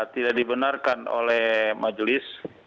sudah dibenarkan oleh majelis